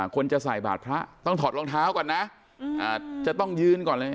คนจะใส่บาทพระต้องถอดรองเท้าก่อนนะจะต้องยืนก่อนเลย